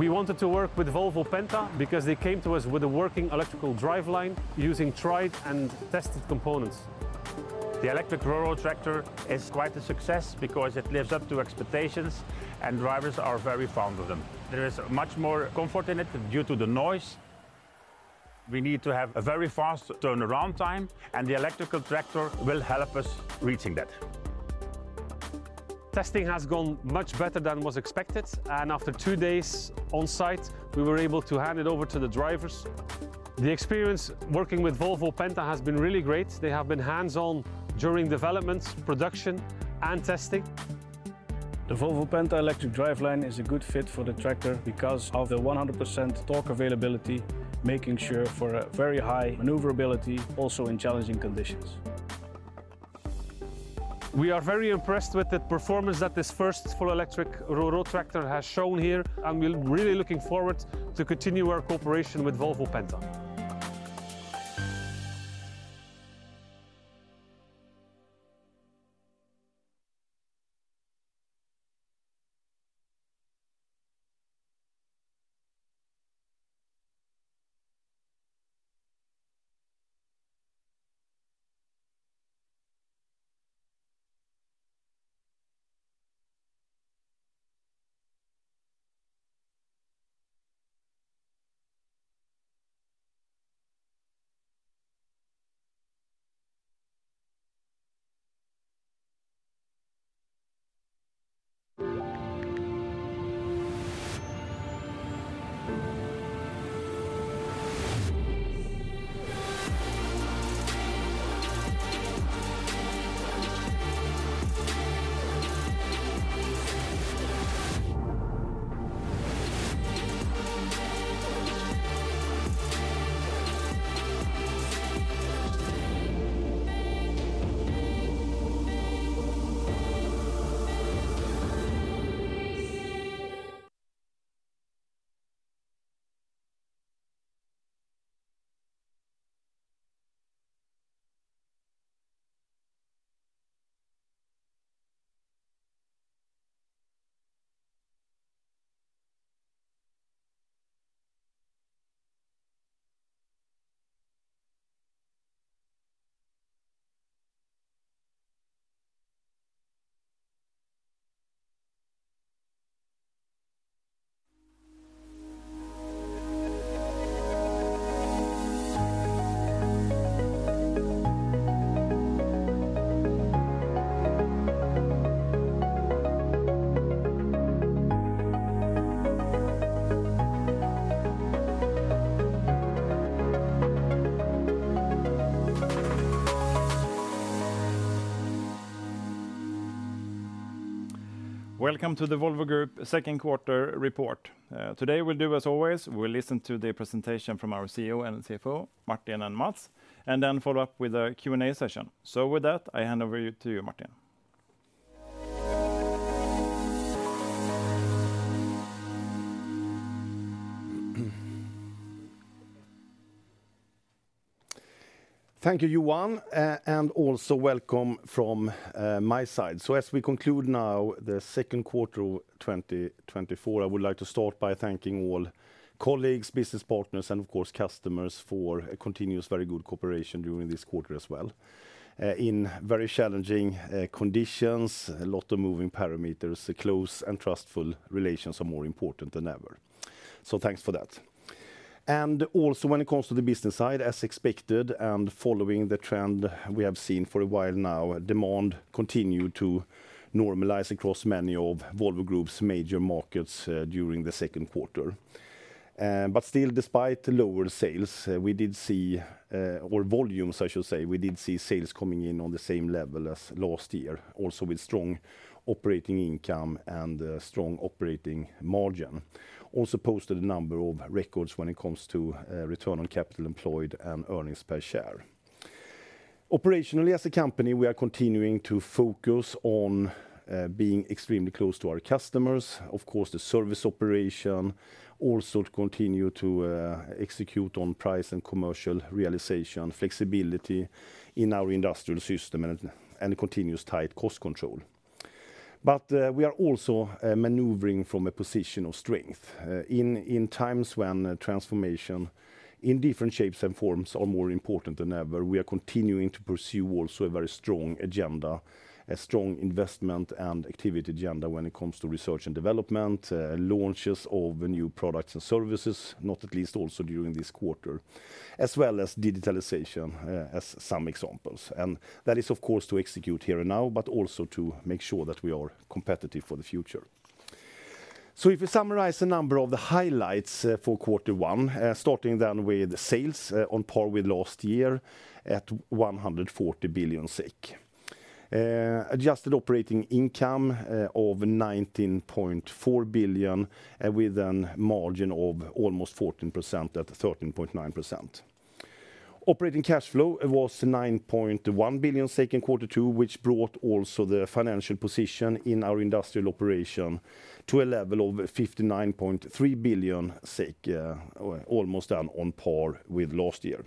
We wanted to work with Volvo Penta because they came to us with a working electrical driveline using tried and tested components. The electric rural tractor is quite a success because it lives up to expectations, and drivers are very fond of them. There is much more comfort in it due to the noise. We need to have a very fast turnaround time, and the electric tractor will help us reaching that. Testing has gone much better than was expected, and after two days on site, we were able to hand it over to the drivers. The experience working with Volvo Penta has been really great. They have been hands-on during development, production, and testing. The Volvo Penta electric driveline is a good fit for the tractor because of the 100% torque availability, making sure for a very high maneuverability, also in challenging conditions. We are very impressed with the performance that this first full electric rural tractor has shown here, and we're really looking forward to continue our cooperation with Volvo Penta. Welcome to the Volvo Group second quarter report. Today, we'll do as always, we'll listen to the presentation from our CEO and CFO, Martin and Mats, and then follow up with a Q&A session. So with that, I hand over to you, Martin. Thank you, Johan, and also welcome from my side. So as we conclude now, the second quarter of 2024, I would like to start by thanking all colleagues, business partners, and of course, customers, for a continuous, very good cooperation during this quarter as well. In very challenging conditions, a lot of moving parameters, close and trustful relations are more important than ever. So thanks for that. And also, when it comes to the business side, as expected, and following the trend we have seen for a while now, demand continued to normalize across many of Volvo Group's major markets during the second quarter. But still, despite the lower sales, we did see, or volumes, I should say, we did see sales coming in on the same level as last year, also with strong operating income and strong operating margin. Also posted a number of records when it comes to Return on Capital Employed and earnings per share. Operationally, as a company, we are continuing to focus on being extremely close to our customers. Of course, the service operation, also to continue to execute on price and commercial realization, flexibility in our industrial system, and continuous tight cost control. But we are also maneuvering from a position of strength. In times when transformation in different shapes and forms are more important than ever, we are continuing to pursue also a very strong agenda, a strong investment and activity agenda when it comes to research and development, launches of new products and services, not at least also during this quarter, as well as digitalization, as some examples. That is, of course, to execute here and now, but also to make sure that we are competitive for the future. So if we summarize a number of the highlights, for quarter one, starting then with sales, on par with last year at 140 billion SEK. Adjusted operating income of 19.4 billion, with a margin of almost 14%, at 13.9%. Operating cash flow was 9.1 billion in quarter two, which brought also the financial position in our industrial operation to a level of 59.3 billion SEK, almost on par with last year.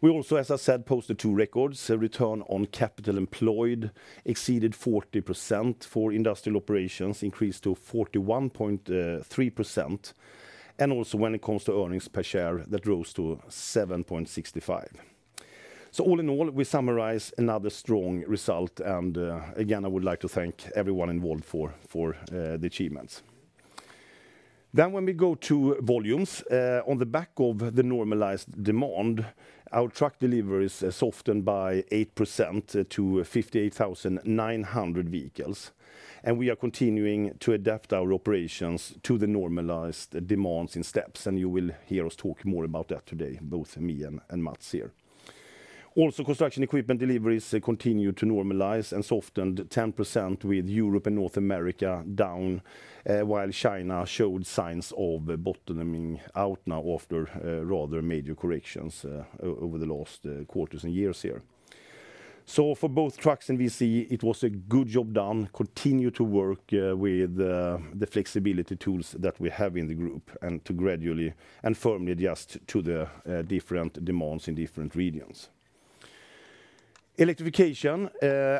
We also, as I said, posted two records. A return on capital employed exceeded 40% for industrial operations, increased to 41.3%. And also, when it comes to earnings per share, that rose to 7.65. So all in all, we summarize another strong result, and, again, I would like to thank everyone involved for, for, the achievements. Then when we go to volumes, on the back of the normalized demand, our truck deliveries softened by 8% to 58,900 vehicles. And we are continuing to adapt our operations to the normalized demands in steps, and you will hear us talk more about that today, both me and, and Mats here. Also, construction equipment deliveries continue to normalize and softened 10% with Europe and North America down, while China showed signs of bottoming out now after, rather major corrections, over the last quarters and years here. So for both trucks and VC, it was a good job done. Continue to work with the flexibility tools that we have in the group, and to gradually and firmly adjust to the different demands in different regions. Electrification.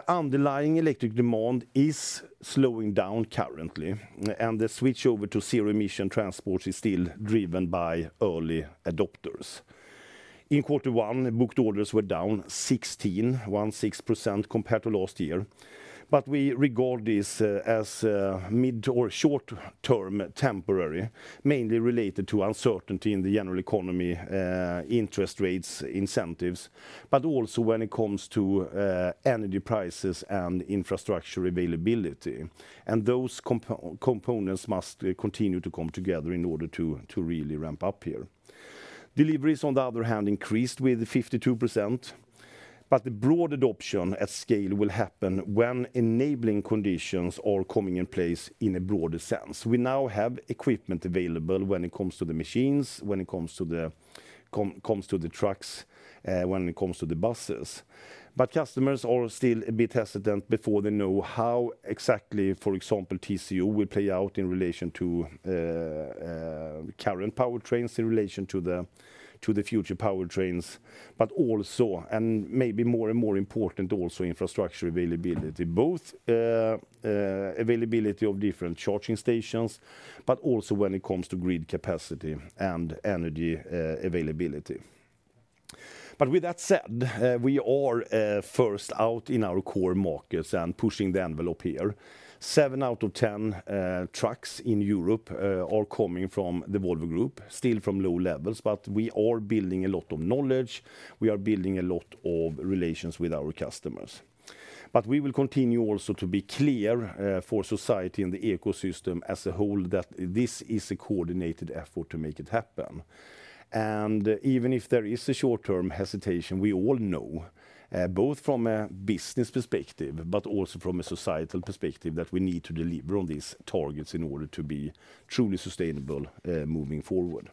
Underlying electric demand is slowing down currently, and the switch over to zero-emission transport is still driven by early adopters. In quarter one, booked orders were down 16.16%, compared to last year, but we regard this as mid- or short-term temporary, mainly related to uncertainty in the general economy, interest rates, incentives, but also when it comes to energy prices and infrastructure availability. And those components must continue to come together in order to really ramp up here. Deliveries, on the other hand, increased with 52%, but the broad adoption at scale will happen when enabling conditions are coming in place in a broader sense. We now have equipment available when it comes to the machines, when it comes to the comes to the trucks, when it comes to the buses. But customers are still a bit hesitant before they know how exactly, for example, TCU will play out in relation to current powertrains, in relation to the future powertrains, but also, and maybe more and more important also, infrastructure availability. Both availability of different charging stations, but also when it comes to grid capacity and energy availability. But with that said, we are first out in our core markets and pushing the envelope here. Seven out of ten trucks in Europe are coming from the Volvo Group. Still from low levels, but we are building a lot of knowledge. We are building a lot of relations with our customers. But we will continue also to be clear for society and the ecosystem as a whole, that this is a coordinated effort to make it happen. Even if there is a short-term hesitation, we all know both from a business perspective, but also from a societal perspective, that we need to deliver on these targets in order to be truly sustainable moving forward.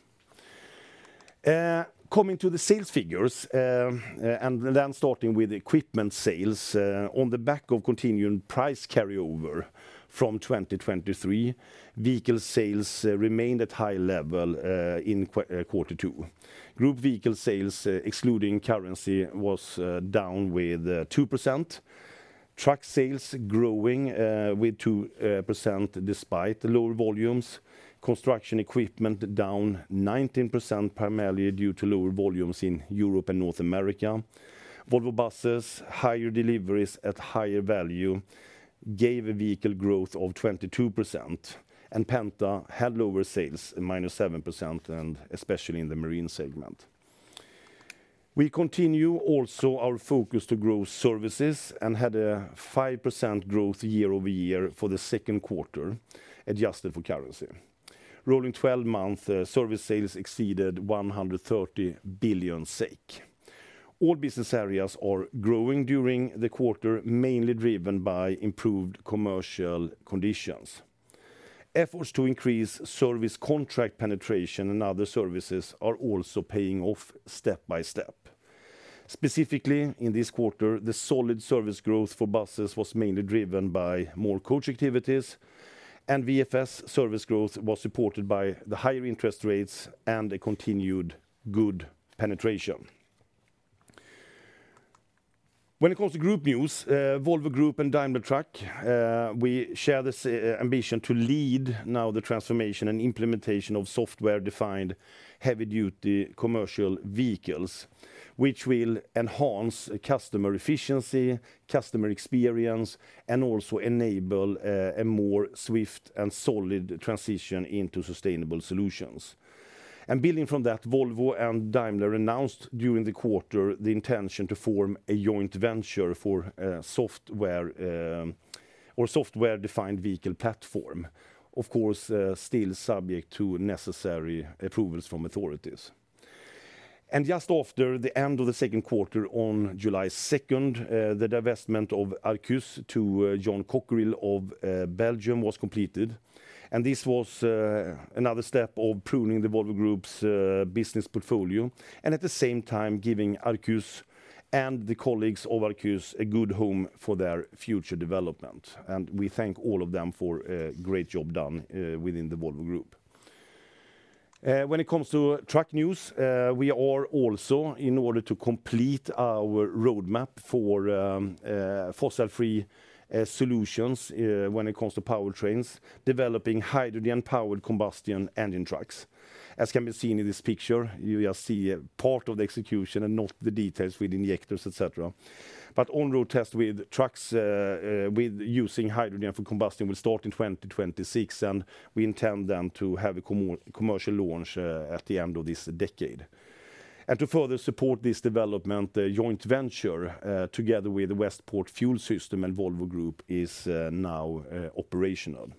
Coming to the sales figures, and then starting with equipment sales, on the back of continuing price carryover from 2023, vehicle sales remained at high level in quarter two. Group vehicle sales, excluding currency, was down 2%. Truck sales growing 2%, despite lower volumes. Construction equipment down 19%, primarily due to lower volumes in Europe and North America. Volvo Buses, higher deliveries at higher value, gave a vehicle growth of 22%, and Penta had lower sales, a -7%, and especially in the marine segment. We continue also our focus to grow services and had a 5% growth year-over-year for the second quarter, adjusted for currency. Rolling twelve-month service sales exceeded 130 billion SEK. All business areas are growing during the quarter, mainly driven by improved commercial conditions. Efforts to increase service contract penetration and other services are also paying off step by step. Specifically, in this quarter, the solid service growth for buses was mainly driven by more coach activities, and VFS service growth was supported by the higher interest rates and a continued good penetration. When it comes to group news, Volvo Group and Daimler Truck, we share this ambition to lead now the transformation and implementation of software-defined heavy-duty commercial vehicles, which will enhance customer efficiency, customer experience, and also enable a more swift and solid transition into sustainable solutions. And building from that, Volvo and Daimler announced during the quarter the intention to form a joint venture for software or software-defined vehicle platform. Of course, still subject to necessary approvals from authorities. And just after the end of the second quarter, on July second, the divestment of Arquus to John Cockerill of Belgium was completed, and this was another step of pruning the Volvo Group's business portfolio, and at the same time, giving Arquus-... and the colleagues at Arquus [have found] a good home for their future development, and we thank all of them for a great job done within the Volvo Group. When it comes to truck news, we are also, in order to complete our roadmap for fossil-free solutions when it comes to powertrains, developing hydrogen-powered combustion engine trucks. As can be seen in this picture, you just see a part of the execution and not the details with injectors, et cetera. But on-road test with trucks with using hydrogen for combustion will start in 2026, and we intend then to have a commercial launch at the end of this decade. And to further support this development, a joint venture together with Westport Fuel Systems and Volvo Group is now operational.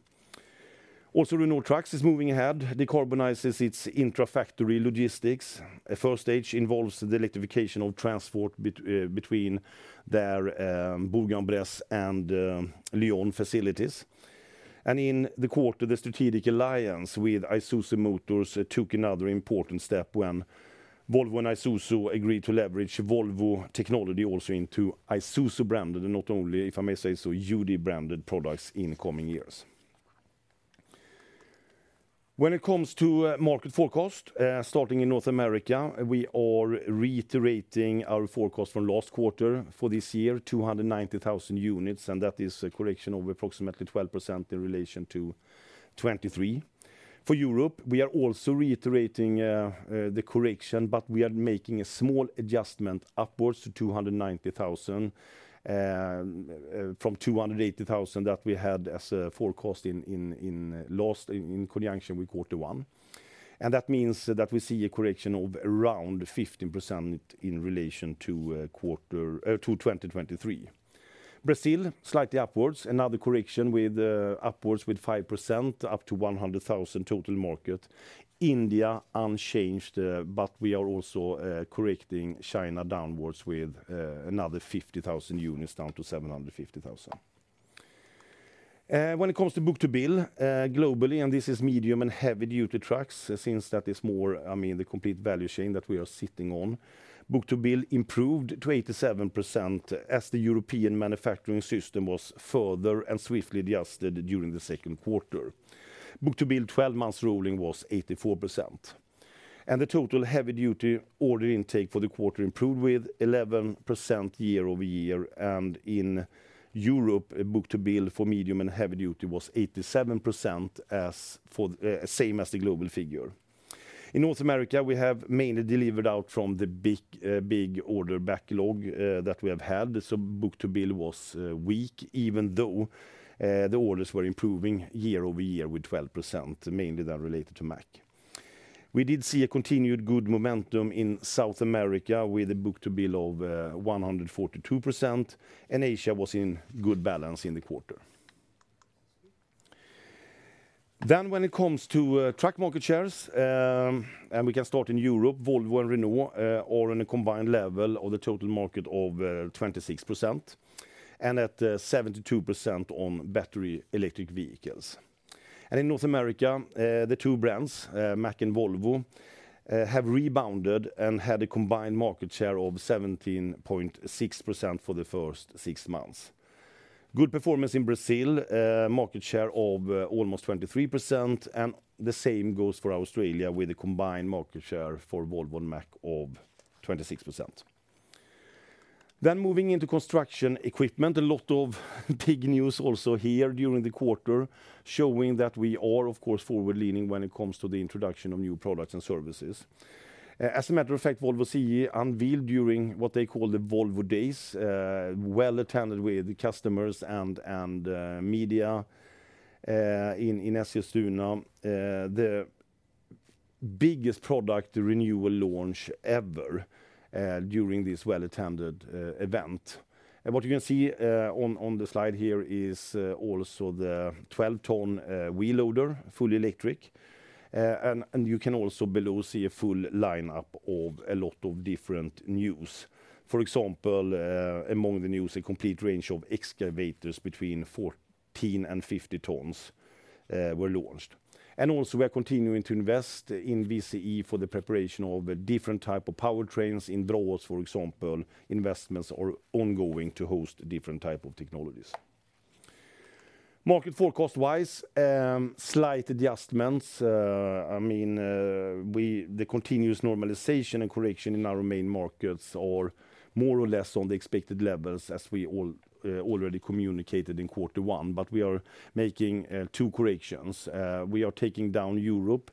Also, Renault Trucks is moving ahead, decarbonizes its intra-factory logistics. A first stage involves the electrification of transport between their Bourg-en-Bresse and Lyon facilities. And in the quarter, the strategic alliance with Isuzu Motors took another important step when Volvo and Isuzu agreed to leverage Volvo technology also into Isuzu brand, and not only, if I may say so, UD-branded products in coming years. When it comes to market forecast, starting in North America, we are reiterating our forecast from last quarter for this year, 290,000 units, and that is a correction of approximately 12% in relation to 2023. For Europe, we are also reiterating the correction, but we are making a small adjustment upwards to 290,000 from 280,000 that we had as a forecast in conjunction with quarter one. That means that we see a correction of around 15% in relation to quarter to 2023. Brazil, slightly upwards. Another correction with upwards with 5%, up to 100,000 total market. India, unchanged, but we are also correcting China downwards with another 50,000 units, down to 750,000. When it comes to book-to-bill, globally, and this is medium- and heavy-duty trucks, since that is more, I mean, the complete value chain that we are sitting on, book-to-bill improved to 87% as the European manufacturing system was further and swiftly adjusted during the second quarter. Book-to-bill 12-month rolling was 84%, and the total heavy-duty order intake for the quarter improved with 11% year-over-year, and in Europe, a book-to-bill for medium and heavy duty was 87% as for same as the global figure. In North America, we have mainly delivered out from the big, big order backlog that we have had, so book-to-bill was weak, even though the orders were improving year-over-year with 12%, mainly that related to Mack. We did see a continued good momentum in South America with a book-to-bill of 142%, and Asia was in good balance in the quarter. When it comes to truck market shares, we can start in Europe. Volvo and Renault are in a combined level of the total market of 26%, and at 72% on battery electric vehicles. In North America, the two brands, Mack and Volvo, have rebounded and had a combined market share of 17.6% for the first six months. Good performance in Brazil, market share of almost 23%, and the same goes for Australia, with a combined market share for Volvo and Mack of 26%. Moving into construction equipment, a lot of big news also here during the quarter, showing that we are, of course, forward-leaning when it comes to the introduction of new products and services. As a matter of fact, Volvo CE unveiled during what they call the Volvo Days, well-attended with customers and media in Eskilstuna, the biggest product renewal launch ever during this well-attended event. And what you can see on the slide here is also the 12 ton wheel loader, fully electric. And you can also below see a full lineup of a lot of different news. For example, among the news, a complete range of excavators between 14 and 50 tons were launched. And also, we are continuing to invest in VCE for the preparation of different type of powertrains. In Braås, for example, investments are ongoing to host different type of technologies. Market forecast-wise, slight adjustments. I mean, the continuous normalization and correction in our main markets are more or less on the expected levels, as we all already communicated in quarter one, but we are making two corrections. We are taking down Europe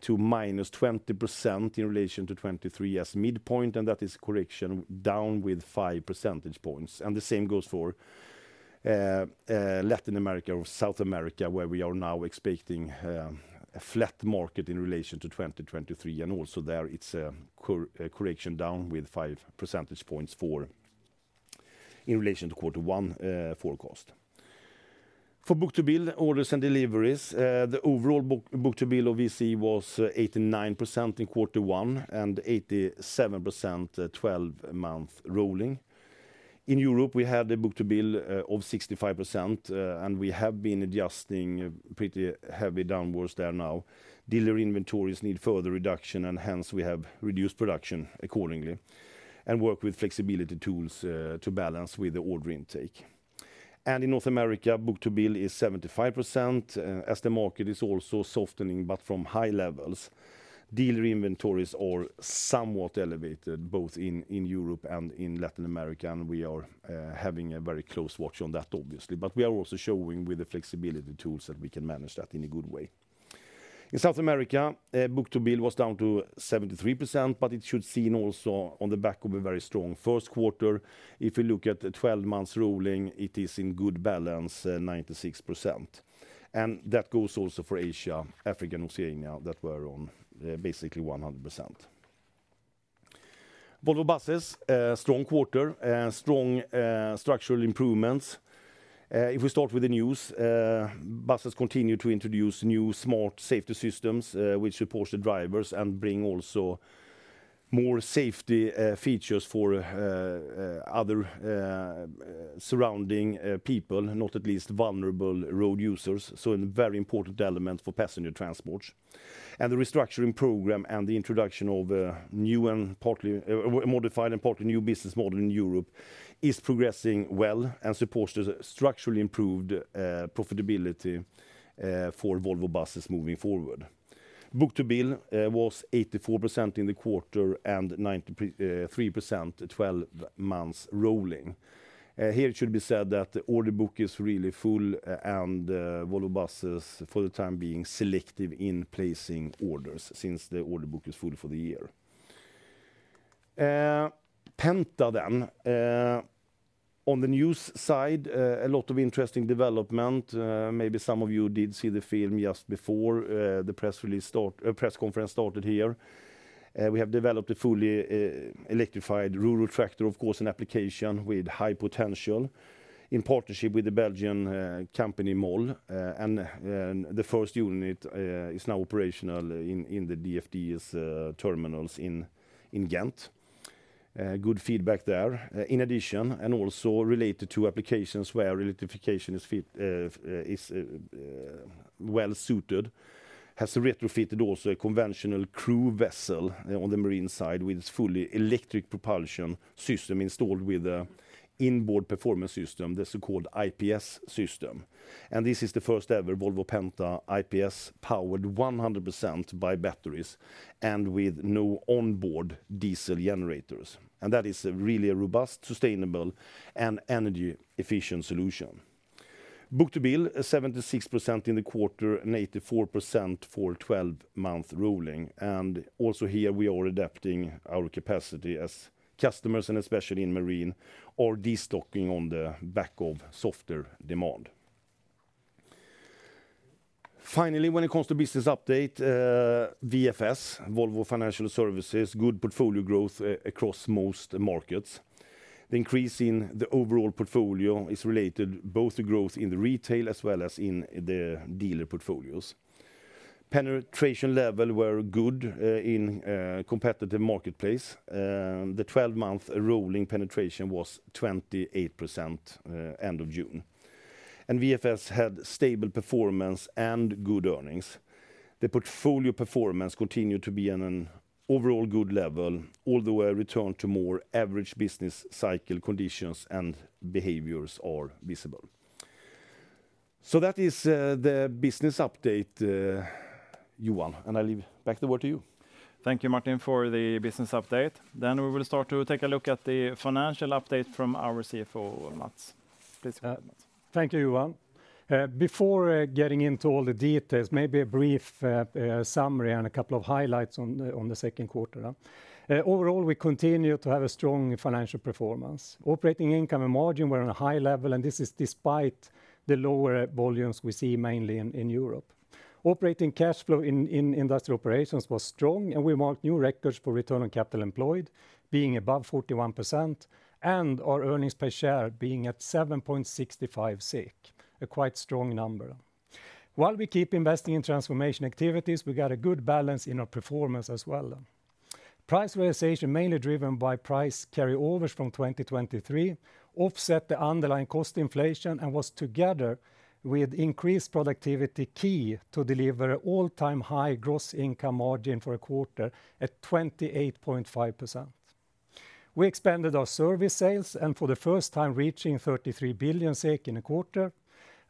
to -20% in relation to 2023 as midpoint, and that is correction down with 5 percentage points. And the same goes for Latin America or South America, where we are now expecting a flat market in relation to 2023. And also there, it's a correction down with 5 percentage points for... in relation to quarter one forecast. For book-to-bill, orders and deliveries, the overall book-to-bill of VCE was 89% in quarter one and 87%, 12-month rolling. In Europe, we had a book-to-bill of 65%, and we have been adjusting pretty heavy downwards there now. Dealer inventories need further reduction, and hence, we have reduced production accordingly, and work with flexibility tools to balance with the order intake. In North America, book-to-bill is 75%, as the market is also softening, but from high levels. Dealer inventories are somewhat elevated, both in Europe and in Latin America, and we are having a very close watch on that, obviously. But we are also showing with the flexibility tools that we can manage that in a good way. In South America, book-to-bill was down to 73%, but it should be seen also on the back of a very strong first quarter. If you look at the twelve months rolling, it is in good balance, 96%. And that goes also for Asia, Africa, and Oceania, that were on basically 100%. Volvo Buses strong quarter, strong structural improvements. If we start with the news, Buses continue to introduce new smart safety systems, which support the drivers and bring also more safety features for other surrounding people, not least vulnerable road users, so a very important element for passenger transport. And the restructuring program and the introduction of a new and partly modified and partly new business model in Europe is progressing well and supports the structurally improved profitability for Volvo Buses moving forward. Book-to-bill was 84% in the quarter and 93% twelve months rolling. Here it should be said that the order book is really full, and Volvo Buses, for the time being, selective in placing orders since the order book is full for the year. Penta, then. On the news side, a lot of interesting development. Maybe some of you did see the film just before, the press conference started here. We have developed a fully electrified rural tractor, of course, an application with high potential in partnership with the Belgian company MOL. And the first unit is now operational in the DFDS's terminals in Ghent. Good feedback there. In addition, and also related to applications where electrification is well-suited, has retrofitted also a conventional crew vessel on the marine side with fully electric propulsion system installed with an inboard performance system, the so-called IPS system. And this is the first-ever Volvo Penta IPS, powered 100% by batteries and with no onboard diesel generators. And that is a really robust, sustainable, and energy-efficient solution. Book-to-bill, 76% in the quarter and 84% for twelve-month rolling. And also here, we are adapting our capacity as customers, and especially in marine, are destocking on the back of softer demand. Finally, when it comes to business update, VFS, Volvo Financial Services, good portfolio growth across most markets. The increase in the overall portfolio is related both to growth in the retail, as well as in the dealer portfolios. Penetration level were good in competitive marketplace. The twelve-month rolling penetration was 28%, end of June. VFS had stable performance and good earnings. The portfolio performance continued to be in an overall good level, although a return to more average business cycle conditions and behaviors are visible. That is the business update, Johan, and I leave back the word to you. Thank you, Martin, for the business update. Then we will start to take a look at the financial update from our CFO, Mats. Please, go ahead, Mats. Thank you, Johan. Before getting into all the details, maybe a brief summary and a couple of highlights on the second quarter. Overall, we continue to have a strong financial performance. Operating income and margin were on a high level, and this is despite the lower volumes we see mainly in Europe. Operating cash flow in industrial operations was strong, and we marked new records for return on capital employed, being above 41%, and our earnings per share being at 7.65 SEK, a quite strong number. While we keep investing in transformation activities, we got a good balance in our performance as well. Price realization, mainly driven by price carryovers from 2023, offset the underlying cost inflation, and was together with increased productivity, key to deliver all-time high gross income margin for a quarter at 28.5%. We expanded our service sales, and for the first time, reaching 33 billion SEK in a quarter,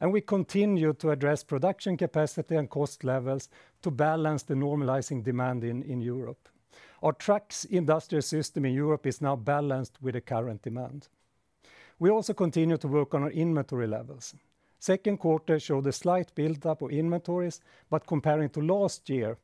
and we continue to address production capacity and cost levels to balance the normalizing demand in Europe. Our trucks industrial system in Europe is now balanced with the current demand. We also continue to work on our inventory levels. Second quarter showed a slight buildup of inventories, but comparing to last year,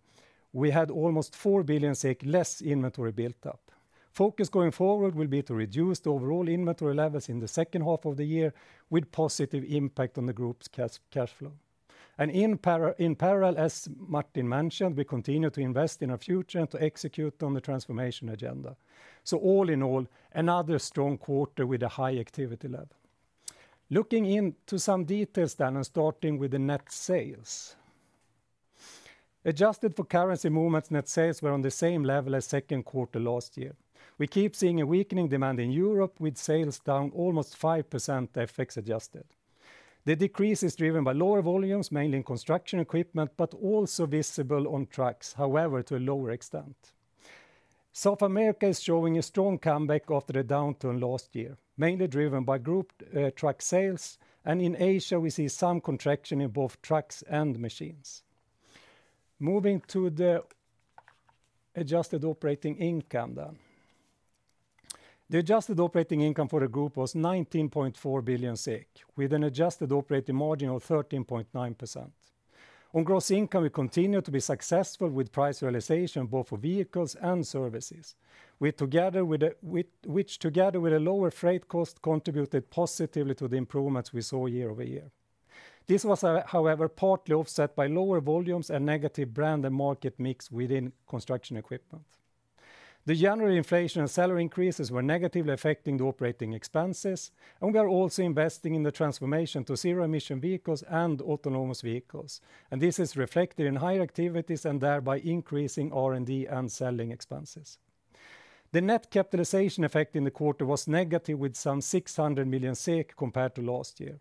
we had almost 4 billion less inventory built up. Focus going forward will be to reduce the overall inventory levels in the second half of the year, with positive impact on the group's cash, cash flow. And in parallel, as Martin mentioned, we continue to invest in our future and to execute on the transformation agenda. So all in all, another strong quarter with a high activity level. Looking into some details then, and starting with the net sales, adjusted for currency movements, net sales were on the same level as second quarter last year. We keep seeing a weakening demand in Europe, with sales down almost 5% FX adjusted. The decrease is driven by lower volumes, mainly in construction equipment, but also visible on trucks, however, to a lower extent. South America is showing a strong comeback after a downturn last year, mainly driven by group truck sales. And in Asia, we see some contraction in both trucks and machines. Moving to the adjusted operating income then. The adjusted operating income for the group was 19.4 billion SEK, with an adjusted operating margin of 13.9%. On gross income, we continue to be successful with price realization, both for vehicles and services. We, together with, which together with a lower freight cost, contributed positively to the improvements we saw year-over-year. This was, however, partly offset by lower volumes and negative brand and market mix within construction equipment. The general inflation and salary increases were negatively affecting the operating expenses, and we are also investing in the transformation to zero-emission vehicles and autonomous vehicles. This is reflected in higher activities and thereby increasing R&D and selling expenses. The net capitalization effect in the quarter was negative, with some 600 million SEK compared to last year.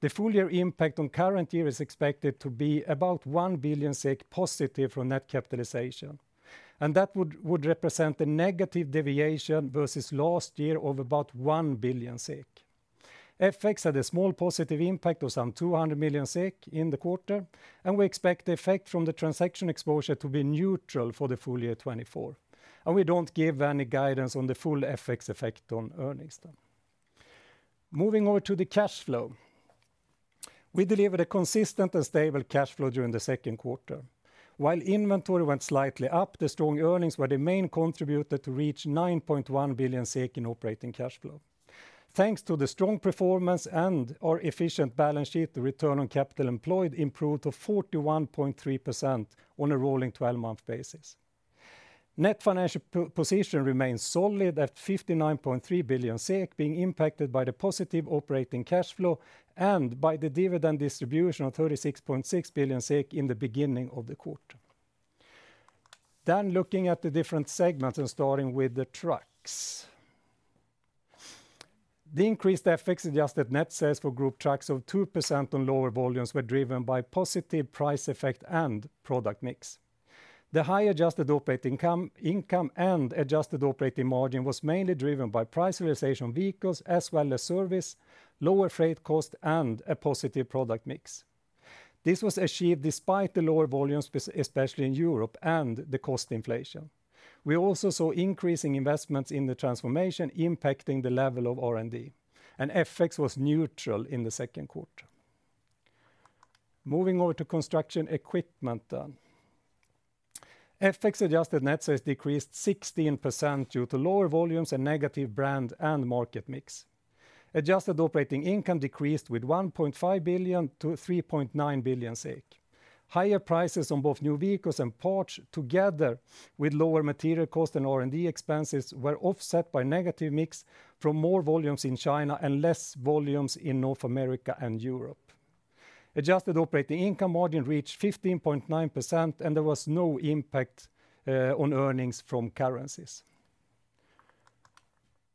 The full year impact on current year is expected to be about 1 billion SEK positive from net capitalization, and that would represent a negative deviation versus last year of about 1 billion SEK. FX had a small positive impact of some 200 million SEK in the quarter, and we expect the effect from the transaction exposure to be neutral for the full year 2024. And we don't give any guidance on the full FX effect on earnings then. Moving over to the cash flow. We delivered a consistent and stable cash flow during the second quarter. While inventory went slightly up, the strong earnings were the main contributor to reach 9.1 billion SEK in operating cash flow. Thanks to the strong performance and our efficient balance sheet, the return on capital employed improved to 41.3% on a rolling 12-month basis. Net financial position remains solid at 59.3 billion SEK, being impacted by the positive operating cash flow and by the dividend distribution of 36.6 billion SEK in the beginning of the quarter. Then looking at the different segments and starting with the trucks. The increased FX-adjusted net sales for group trucks of 2% on lower volumes were driven by positive price effect and product mix. The high adjusted operating income, income and adjusted operating margin was mainly driven by price realization vehicles, as well as service, lower freight cost, and a positive product mix. This was achieved despite the lower volumes, especially in Europe, and the cost inflation. We also saw increasing investments in the transformation impacting the level of R&D, and FX was neutral in the second quarter. Moving over to construction equipment then. FX-adjusted net sales decreased 16% due to lower volumes and negative brand and market mix. Adjusted operating income decreased with 1.5 billion - 3.9 billion. Higher prices on both new vehicles and parts, together with lower material cost and R&D expenses, were offset by negative mix from more volumes in China and less volumes in North America and Europe. Adjusted operating income margin reached 15.9%, and there was no impact on earnings from currencies.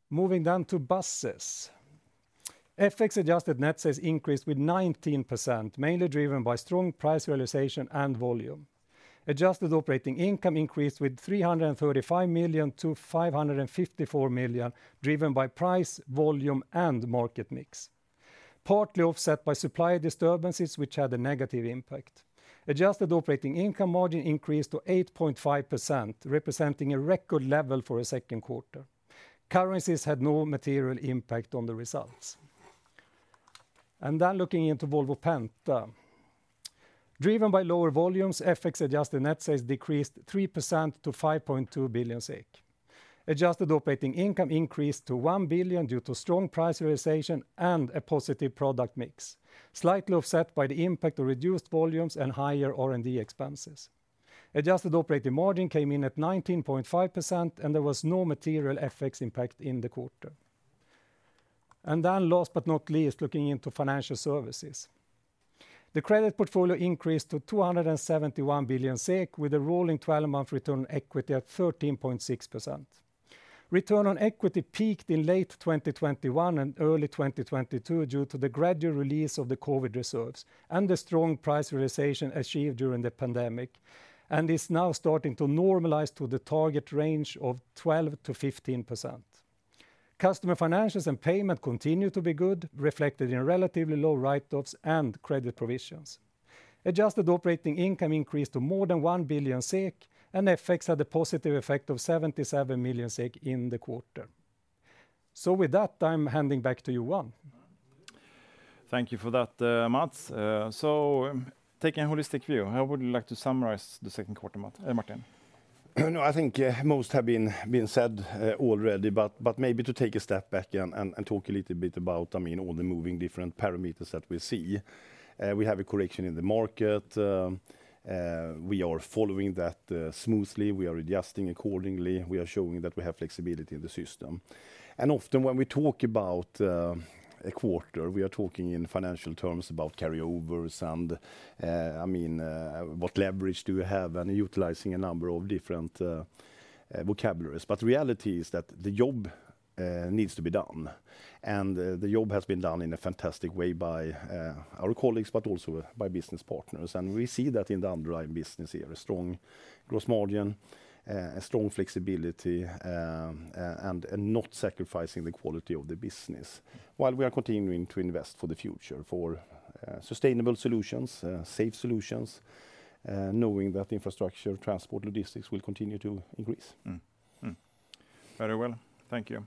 Moving down to buses. FX-adjusted net sales increased with 19%, mainly driven by strong price realization and volume. Adjusted operating income increased with 335 million - 554 million, driven by price, volume, and market mix, partly offset by supply disturbances, which had a negative impact. Adjusted operating income margin increased to 8.5%, representing a record level for a second quarter. Currencies had no material impact on the results. Looking into Volvo Penta. Driven by lower volumes, FX-adjusted net sales decreased 3% to 5.2 billion. Adjusted operating income increased to 1 billion due to strong price realization and a positive product mix, slightly offset by the impact of reduced volumes and higher R&D expenses. Adjusted operating margin came in at 19.5%, and there was no material FX impact in the quarter. Last but not least, looking into financial services. The credit portfolio increased to 271 billion SEK, with a rolling twelve-month return on equity at 13.6%. Return on equity peaked in late 2021 and early 2022 due to the gradual release of the COVID reserves and the strong price realization achieved during the pandemic, and is now starting to normalize to the target range of 12%-15%. Customer financials and payment continue to be good, reflected in relatively low write-offs and credit provisions. Adjusted operating income increased to more than 1 billion SEK, and FX had a positive effect of 77 million SEK in the quarter. So with that, I'm handing back to you, Johan. Thank you for that, Mats. So, taking a holistic view, how would you like to summarize the second quarter, Martin? I think most have been said already, but maybe to take a step back and talk a little bit about, I mean, all the moving different parameters that we see. We have a correction in the market, we are following that smoothly. We are adjusting accordingly. We are showing that we have flexibility in the system. And often, when we talk about a quarter, we are talking in financial terms about carryovers and, I mean, what leverage do we have, and utilizing a number of different vocabularies. But the reality is that the job needs to be done, and the job has been done in a fantastic way by our colleagues, but also by business partners. And we see that in the underlying business here, a strong gross margin, a strong flexibility, and not sacrificing the quality of the business, while we are continuing to invest for the future, for sustainable solutions, safe solutions, knowing that infrastructure, transport, logistics will continue to increase. Mm-hmm. Very well. Thank you.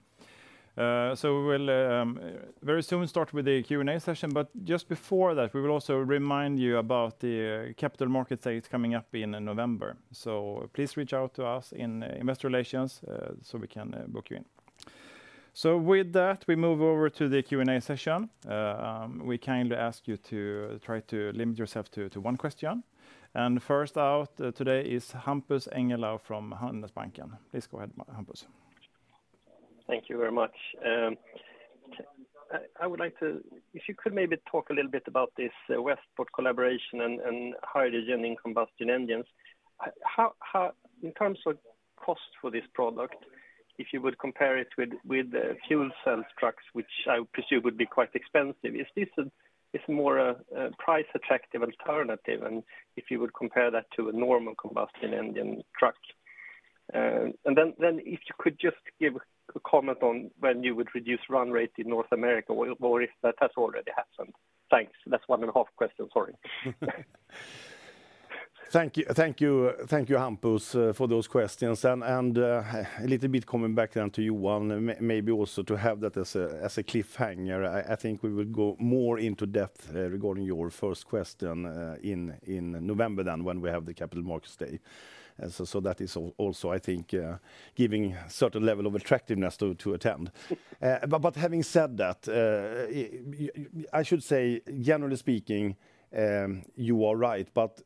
So we will very soon start with the Q&A session, but just before that, we will also remind you about the Capital Markets Day coming up in November. So please reach out to us in investor relations, so we can book you in. So with that, we move over to the Q&A session. We kindly ask you to try to limit yourself to one question. And first out today is Hampus Engellau from Handelsbanken. Please go ahead, Hampus. Thank you very much. I would like to—if you could maybe talk a little bit about this Westport collaboration and hydrogen in combustion engines. How, in terms of cost for this product, if you would compare it with fuel cell trucks, which I would presume would be quite expensive, is this more a price-attractive alternative, and if you would compare that to a normal combustion engine trucks? And then if you could just give a comment on when you would reduce run rate in North America, or if that has already happened. Thanks. That's one and a half questions. Sorry. Thank you, thank you, thank you, Hampus, for those questions. And a little bit coming back then to you, Johan, maybe also to have that as a cliffhanger. I think we will go more into depth regarding your first question in November than when we have the Capital Markets Day. So that is also, I think, giving certain level of attractiveness to attend. But having said that, I should say, generally speaking, you are right, but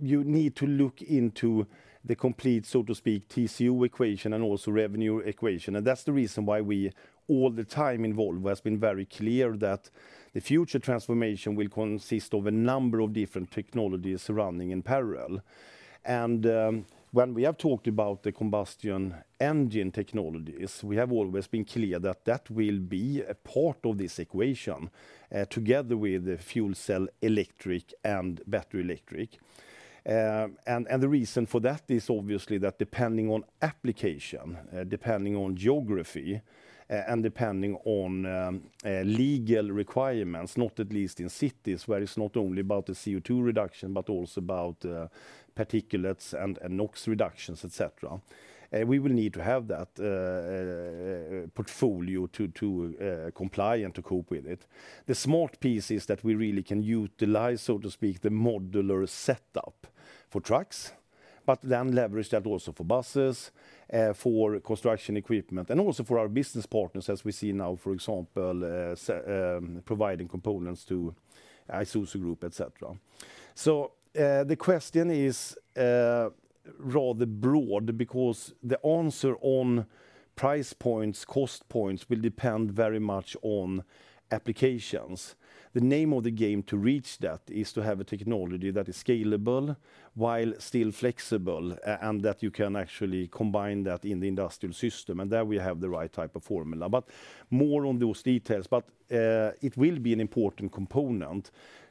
you need to look into the complete, so to speak, TCO equation and also revenue equation. And that's the reason why we, all the time involved, has been very clear that the future transformation will consist of a number of different technologies running in parallel. When we have talked about the combustion engine technologies, we have always been clear that that will be a part of this equation, together with the fuel cell electric and battery electric. The reason for that is obviously that depending on application, depending on geography, and depending on legal requirements, not least in cities, where it's not only about the CO2 reduction, but also about particulates and NOx reductions, et cetera, we will need to have that portfolio to comply and to cope with it. The smart piece is that we really can utilize, so to speak, the modular setup for trucks, but then leverage that also for buses, for construction equipment, and also for our business partners, as we see now, for example, providing components to Isuzu Group, et cetera. So, the question is rather broad because the answer on price points, cost points, will depend very much on applications. The name of the game to reach that is to have a technology that is scalable while still flexible, and that you can actually combine that in the industrial system, and there we have the right type of formula. But more on those details, it will be an important component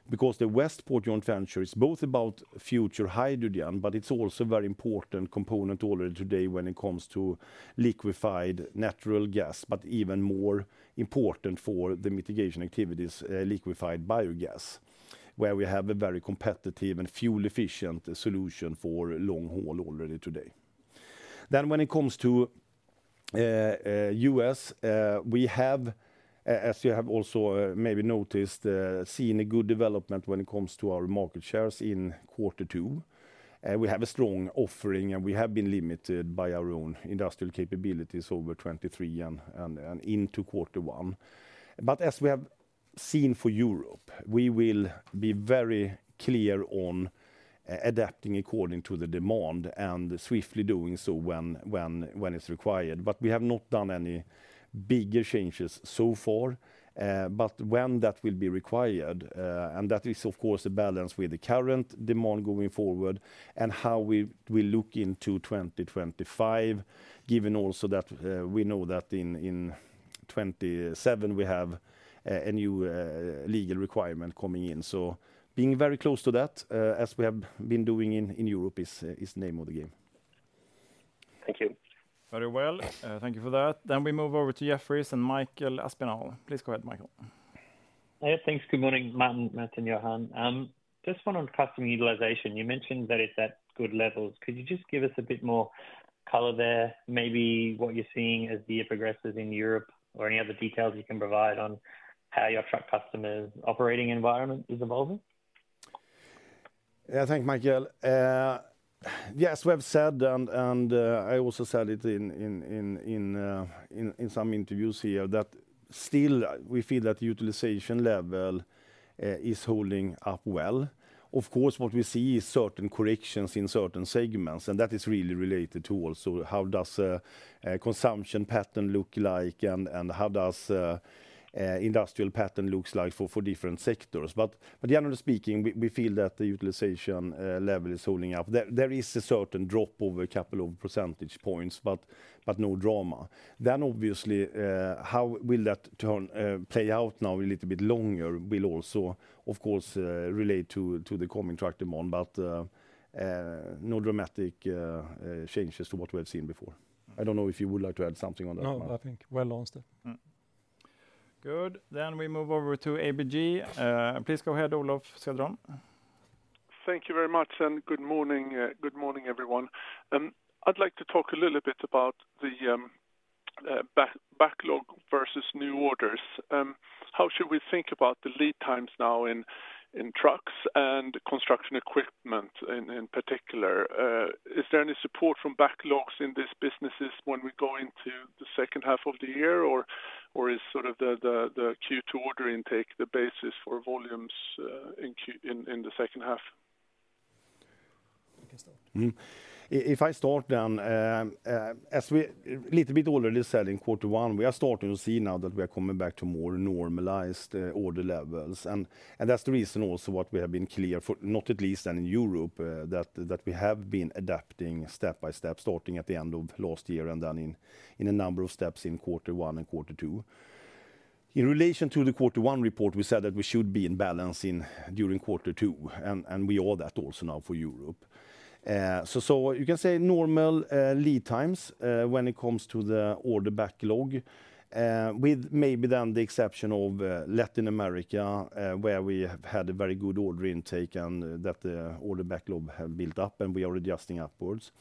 because the Westport joint venture is both about future hydrogen, but it's also a very important component already today when it comes to liquefied natural gas, but even more important for the mitigation activities, liquefied biogas, where we have a very competitive and fuel-efficient solution for long haul already today. Then when it comes to U.S., we have, as you have also maybe noticed, seen a good development when it comes to our market shares in quarter two. We have a strong offering, and we have been limited by our own industrial capabilities over 2023 and into quarter one. But as we have seen for Europe, we will be very clear on adapting according to the demand and swiftly doing so when it's required. But we have not done any bigger changes so far, but when that will be required, and that is, of course, a balance with the current demand going forward and how we look into 2025, given also that we know that in 2027 we have a new legal requirement coming in. So being very close to that, as we have been doing in Europe, is the name of the game. Thank you. Very well. Thank you for that. Then we move over to Jefferies, and Michael Aspinall. Please go ahead, Michael. Yeah, thanks. Good morning, Martin, Martin, Johan. Just one on customer utilization. You mentioned that it's at good levels. Could you just give us a bit more color there, maybe what you're seeing as the year progresses in Europe, or any other details you can provide on how your truck customers' operating environment is evolving? Yeah. Thank you, Michael. Yes, we have said, and I also said it in some interviews here, that still, we feel that utilization level is holding up well. Of course, what we see is certain corrections in certain segments, and that is really related to also how does a consumption pattern look like, and how does a industrial pattern looks like for different sectors? But generally speaking, we feel that the utilization level is holding up. There is a certain drop over a couple of percentage points, but no drama. Then, obviously, how will that turn play out now a little bit longer will also, of course, relate to the coming truck demand, but no dramatic changes to what we've seen before. I don't know if you would like to add something on that, Mats? No, I think well answered. Mm. Good. Then we move over to ABG. Please go ahead, Olof Cederholm. Thank you very much, and good morning. Good morning, everyone. I'd like to talk a little bit about the backlog versus new orders. How should we think about the lead times now in trucks and construction equipment in particular? Is there any support from backlogs in these businesses when we go into the second half of the year, or is sort of the Q2 order intake the basis for volumes in the second half? You can start. If I start, then, as we little bit already said in quarter one, we are starting to see now that we are coming back to more normalized, order levels. And that's the reason also what we have been clear for, not at least then in Europe, that we have been adapting step by step, starting at the end of last year, and then in a number of steps in quarter one and quarter two. In relation to the quarter one report, we said that we should be in balance during quarter two, and we are that also now for Europe. So you can say normal lead times when it comes to the order backlog, with maybe then the exception of Latin America, where we have had a very good order intake and that the order backlog have built up, and we are adjusting upwards.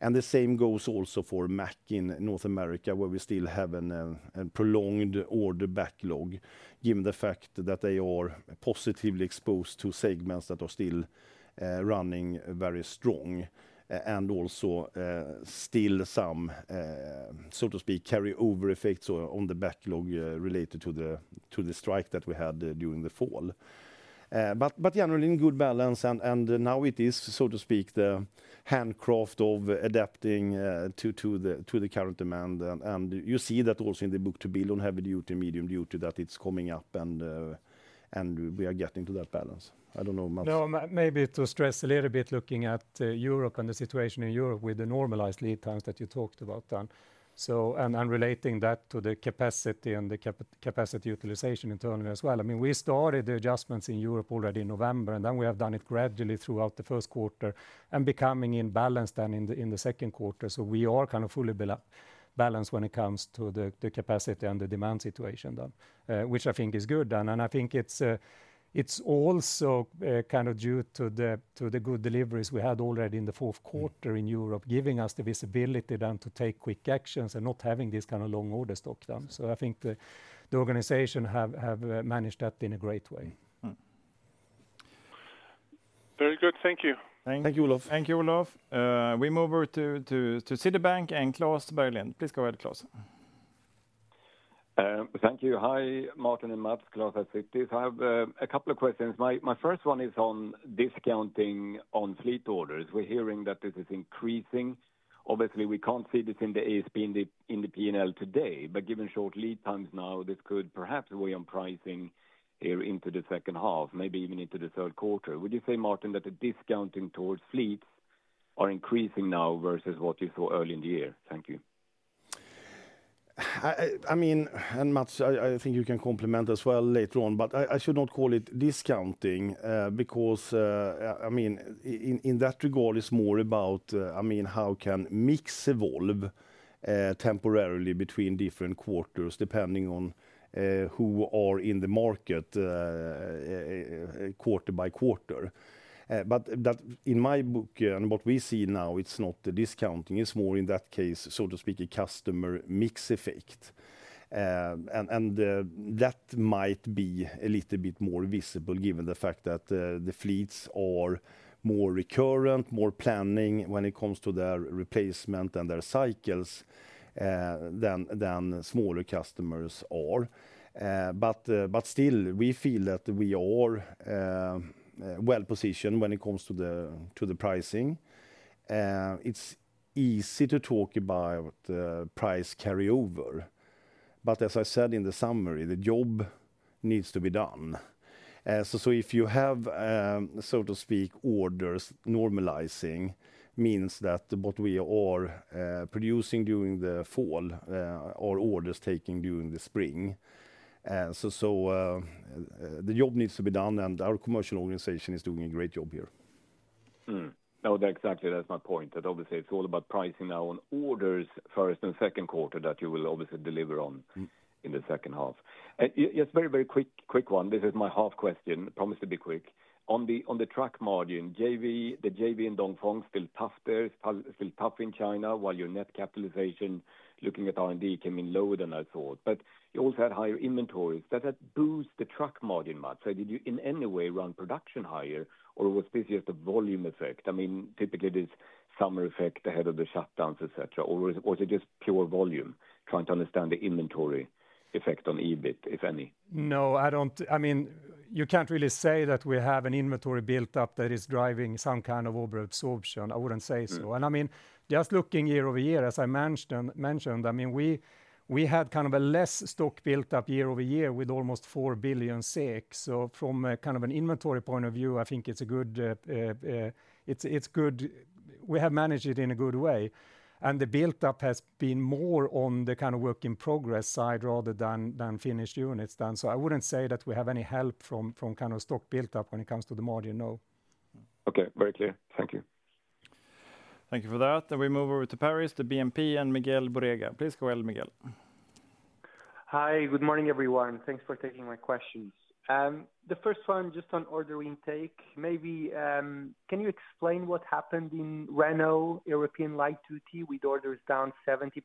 And the same goes also for Mack in North America, where we still have a prolonged order backlog, given the fact that they are positively exposed to segments that are still running very strong, and also still some so to speak carry-over effects on the backlog related to the strike that we had during the fall. But generally in good balance, and now it is so to speak the handcraft of adapting to the current demand. You see that also in the book-to-bill on heavy-duty, medium-duty, that it's coming up and we are getting to that balance. I don't know, Mats. No, maybe to stress a little bit, looking at Europe and the situation in Europe with the normalized lead times that you talked about then, so. And relating that to the capacity and the capacity utilization internally as well. I mean, we started the adjustments in Europe already in November, and then we have done it gradually throughout the first quarter, and becoming in balance then in the second quarter. So we are kind of fully balanced when it comes to the capacity and the demand situation then, which I think is good. And I think it's also kind of due to the good deliveries we had already in the fourth quarter in Europe, giving us the visibility then to take quick actions and not having this kind of long order stock then. I think the organization have managed that in a great way. Mm. Very good. Thank you. Thank you, Olof. Thank you, Olof. We move over to Citigroup, and Klas Bergelind. Please go ahead, Klas. Thank you. Hi, Martin and Mats, Klas at Citigroup. I have a couple of questions. My first one is on discounting on fleet orders. We're hearing that this is increasing. Obviously, we can't see this in the ASP, in the P&L today, but given short lead times now, this could perhaps weigh on pricing into the second half, maybe even into the third quarter. Would you say, Martin, that the discounting towards fleets are increasing now versus what you saw early in the year? Thank you. I mean, and Mats, I think you can complement as well later on, but I should not call it discounting, because I mean, in that regard, it's more about I mean, how can mix evolve temporarily between different quarters, depending on who are in the market quarter by quarter. But that, in my book, and what we see now, it's not the discounting. It's more, in that case, so to speak, a customer mix effect. And that might be a little bit more visible, given the fact that the fleets are more recurrent, more planning when it comes to their replacement and their cycles than smaller customers are. But still, we feel that we are well-positioned when it comes to the pricing. It's easy to talk about price carryover, but as I said in the summary, the job needs to be done. So, if you have, so to speak, orders normalizing, means that what we are producing during the fall, or orders taking during the spring. So, the job needs to be done, and our commercial organization is doing a great job here. No, that's exactly. That's my point, that obviously it's all about pricing now on orders first and second quarter, that you will obviously deliver on- Mm... in the second half. Yes, very, very quick, quick one. This is my half question. Promise to be quick. On the truck margin, JV, the JV and Dongfeng still tough there, still tough in China, while your net capitalization, looking at R&D, came in lower than I thought. But you also had higher inventories. Does that boost the truck margin, Mats? So did you, in any way, run production higher, or was this just a volume effect? I mean, typically, this summer effect, ahead of the shutdowns, et cetera, or was it just pure volume? Trying to understand the inventory effect on EBIT, if any. No, I don't... I mean, you can't really say that we have an inventory built up that is driving some kind of overabsorption. I wouldn't say so. Mm. And I mean, just looking year-over-year, as I mentioned, I mean, we had kind of a less stock built up year-over-year with almost 4 billion. So from a kind of an inventory point of view, I think it's good—we have managed it in a good way, and the build-up has been more on the kind of work in progress side rather than finished units done. So I wouldn't say that we have any help from kind of stock build-up when it comes to the margin, no. Okay, very clear. Thank you. Thank you for that. Then we move over to Paris, to BNP, and Miguel Borrega. Please go ahead, Miguel. Hi, good morning, everyone. Thanks for taking my questions. The first one, just on order intake, maybe, can you explain what happened in Renault European light-duty, with orders down 70%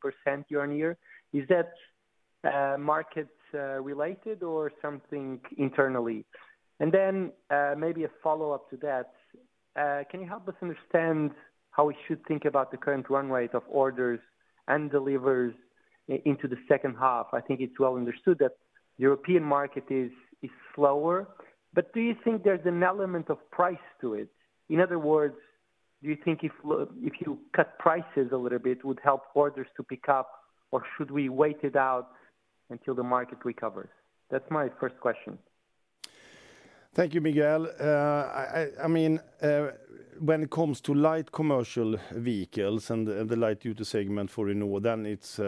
year-on-year? Is that market related or something internally? And then, maybe a follow-up to that, can you help us understand how we should think about the current run rate of orders and deliveries into the second half? I think it's well understood that European market is slower, but do you think there's an element of price to it? In other words, do you think if you cut prices a little bit, it would help orders to pick up, or should we wait it out until the market recovers? That's my first question. Thank you, Miguel. I mean, when it comes to light commercial vehicles and the light duty segment for Renault, then it's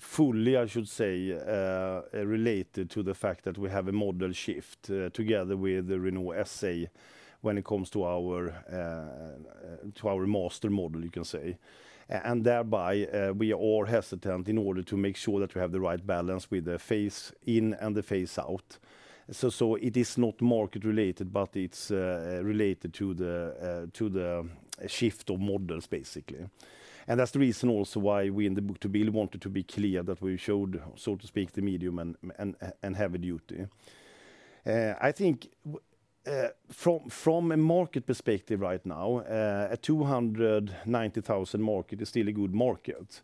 fully, I should say, related to the fact that we have a model shift together with the Renault SA, when it comes to our Master model, you can say. And thereby, we are all hesitant in order to make sure that we have the right balance with the phase in and the phase out. So it is not market related, but it's related to the shift of models, basically. And that's the reason also why we, in the book-to-bill, wanted to be clear that we showed, so to speak, the medium and heavy duty. I think from a market perspective right now, a 290,000 market is still a good market.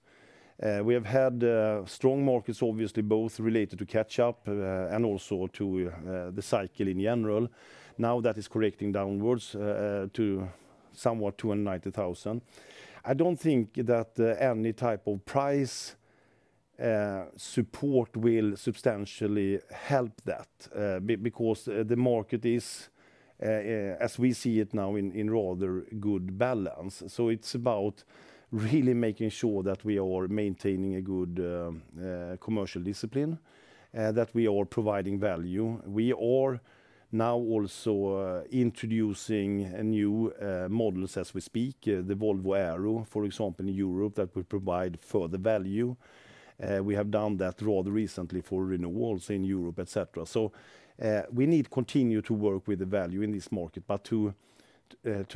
We have had strong markets, obviously, both related to catch up and also to the cycle in general. Now, that is correcting downwards to somewhat 290,000. I don't think that any type of price support will substantially help that because the market is, as we see it now, in rather good balance. So it's about really making sure that we are maintaining a good commercial discipline that we are providing value. We are now also introducing a new models as we speak, the Volvo FH Aero, for example, in Europe, that will provide further value. We have done that rather recently for renewals in Europe, et cetera. So, we need continue to work with the value in this market, but to